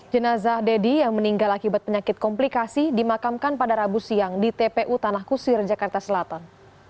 jenazah deddy yang meninggal akibat penyakit komplikasi dimakamkan pada rabu siang di tpu tanah kusir jakarta selatan